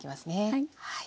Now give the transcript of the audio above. はい。